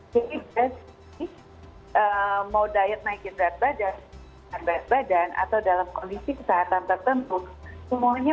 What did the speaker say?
jadi jika mau diet naikin berat badan atau dalam kondisi kesehatan tertentu semuanya